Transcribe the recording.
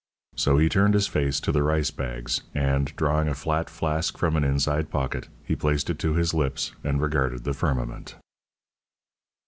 So he turned his face to the rice bags, and, drawing a flat flask from an inside pocket, he placed it to his lips and regarded the firmament.